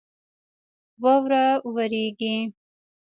واوره ورېږي